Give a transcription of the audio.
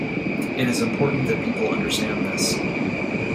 It is important that people understand this.